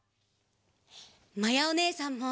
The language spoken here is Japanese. まやおねえさんも。